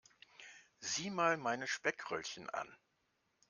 Sieh mal meine Speckröllchen an.